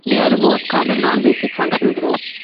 They are the most common non-basic functional group.